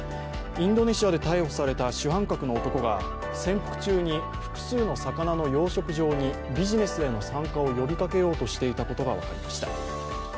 インドネシアで逮捕された主犯格の男が潜伏中に複数の魚の養殖場にビジネスへの参加を呼びかけようとしていたことが分かりました。